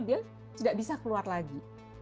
dia tidak bisa keluar lagi